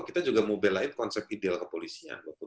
kita juga mau belain konsep ideal kepolisian